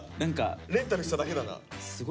レンタルしただけだな。